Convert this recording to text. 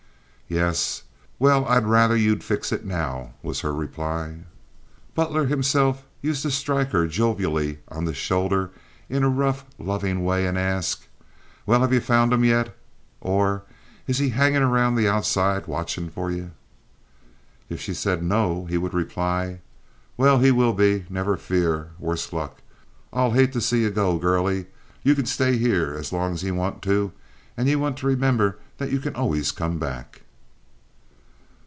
"Yes—well, I'd rather you'd fix it now," was her reply. Butler himself used to strike her jovially on the shoulder in a rough, loving way, and ask, "Well, have you found him yet?" or "Is he hanging around the outside watchin' for ye?" If she said, "No," he would reply: "Well, he will be, never fear—worse luck. I'll hate to see ye go, girlie! You can stay here as long as ye want to, and ye want to remember that you can always come back."